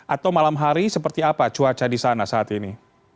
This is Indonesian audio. atau malam hari seperti apa cuaca di sana saat ini